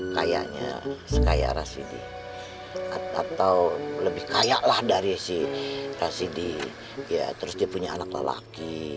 kayaknya si kaya rasidi atau lebih kaya lah dari si rasidi ya terus dia punya anak lelaki